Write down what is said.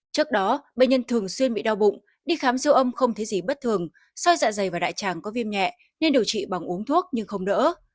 trước đó bệnh nhân thường xuyên bị đau bụng đi khám siêu âm không thấy gì bất thường soi dạ dày và đại tràng có viêm nhẹ nên điều trị bằng uống thuốc nhưng không đỡ